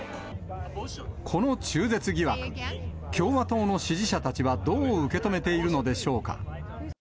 この中絶疑惑、共和党の支持者たちはどう受け止めているのでしょうか。